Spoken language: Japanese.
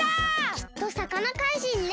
きっとさかなかいじんね！